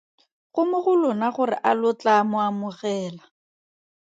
Go mo go lona gore a lo tlaa mo amogela.